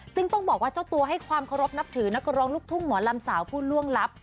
ซึ่งต้องบอกว่าเจ้าตัวให้ความเคารพนับถือนักร้องลูกทุ่งหมอลำสาวผู้ล่วงลับ